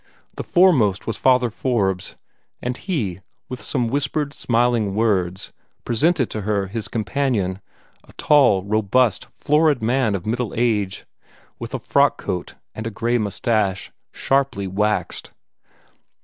The foremost was Father Forbes; and he, with some whispered, smiling words, presented to her his companion, a tall, robust, florid man of middle age, with a frock coat and a gray mustache, sharply waxed.